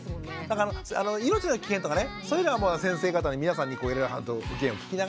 だから命の危険とかねそういうのは先生方の皆さんにいろいろ意見を聞きながら。